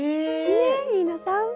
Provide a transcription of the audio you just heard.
ね飯野さん。